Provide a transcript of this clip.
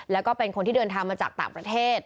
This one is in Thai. แล้วก็เป็นคนที่เดินทางมาจากต่างประเทศ